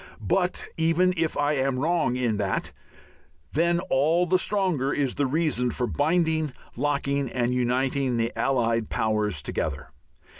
But even if I am wrong in that, then all the stronger is the reason for binding, locking and uniting the allied powers together.